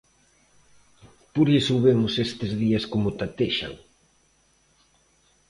Por iso vemos estes días como tatexan.